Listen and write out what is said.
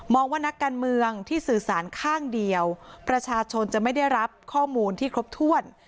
ว่านักการเมืองที่สื่อสารข้างเดียวประชาชนจะไม่ได้รับข้อมูลที่ครบถ้วน